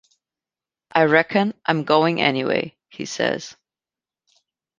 "I reckon I'm going anyway," he says.